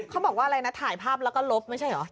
เขาบอกว่าอะไรนะถ่ายภาพแล้วก็ลบไม่ใช่เหรอ